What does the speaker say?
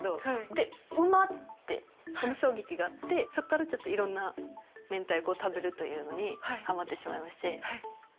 で「うまっ！」ってその衝撃があってそこからちょっと色んな明太子を食べるというのにハマってしまいまして。